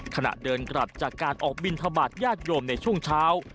ขณะเดินกลับจากการออกบินทบาทญาติโยมในช่วงเช้า